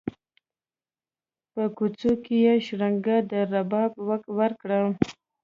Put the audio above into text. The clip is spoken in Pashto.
په کوڅو کې یې شرنګا د رباب ورکه